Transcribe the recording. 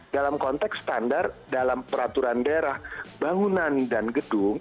dalam konteks standar dalam peraturan daerah bangunan dan gedung